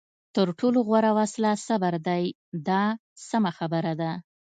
تر ټولو غوره وسله صبر دی دا سمه خبره ده.